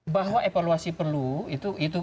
bahwa evaluasi perlu